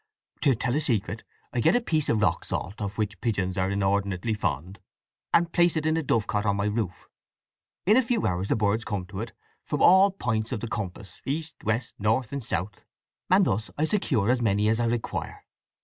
"To tell a secret, I get a piece of rock salt, of which pigeons are inordinately fond, and place it in a dovecot on my roof. In a few hours the birds come to it from all points of the compass—east, west, north, and south—and thus I secure as many as I require.